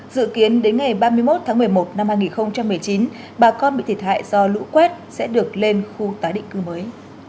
dự kiến đến ngày ba mươi một tháng một mươi một năm hai nghìn một mươi chín bà con bị thiệt hại do lũ quét sẽ được lên khu tái định cư mới